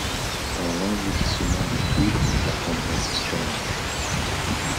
Dans l’engloutissement de tout, la tendresse surnage.